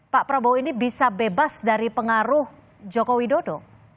pak prabowo ini bisa bebas dari pengaruh joko widodo